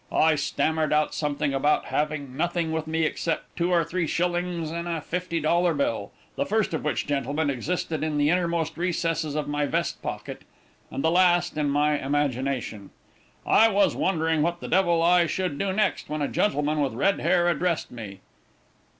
I stammered out something about having nothing with me except two or three shillings and a fifty dollar bill the first of which, gentlemen, existed in the innermost recesses of my vest pocket, and the last in my imagination. I was wondering what the devil I should do next, when a gentleman with red hair addressed me.